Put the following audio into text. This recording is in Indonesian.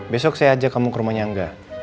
besok saya ajak kamu ke rumahnya angga